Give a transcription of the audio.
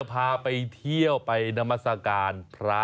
พาไปเที่ยวไปนามัศกาลพระ